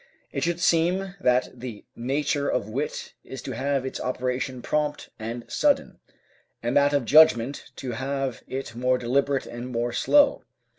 It should seem that the nature of wit is to have its operation prompt and sudden, and that of judgment to have it more deliberate and more slow.